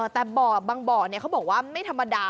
แต่บ่อบางบ่อเขาบอกว่าไม่ธรรมดา